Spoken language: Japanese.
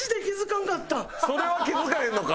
それは気付かへんのか。